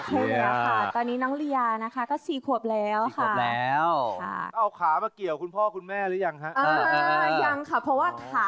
เดี๋ยวพี่ตอนนี้ได้ถามว่ามีลูกสาวแล้ว